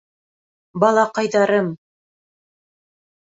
- Балаҡайҙарым!